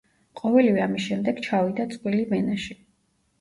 ყოველივე ამის შემდეგ ჩავიდა წყვილი ვენაში.